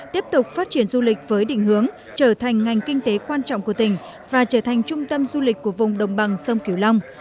tiếp tục phát triển du lịch với định hướng trở thành ngành kinh tế quan trọng của tỉnh và trở thành trung tâm du lịch của vùng đồng bằng sông kiều long